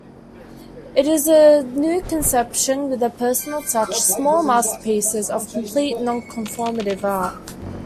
It is a new conception with a personal touch...small masterpieces of complete nonconformative art.